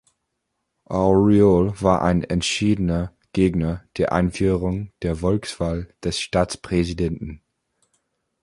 Auriol war ein entschiedener Gegner der Einführung der Volkswahl des Staatspräsidenten.